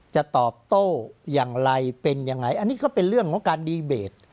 จะตอบโต้อย่างไรเป็นยังไงอันนี้ก็เป็นเรื่องของการดีเบต